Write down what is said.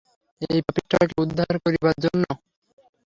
এই পাপিষ্ঠাকে উদ্ধার করিবার জন্য?